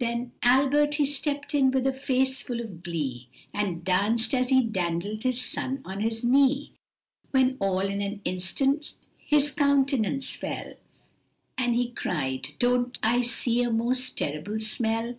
Then Albert he stepped in with a face full of glee, And danced and he dandled his son on his knee, When all in an instant his countenance fell, And he cried "don't I see a most terrible smell!"